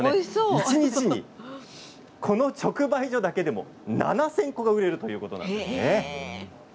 一日にこの直売所だけでも７０００個が売れるということなんですね。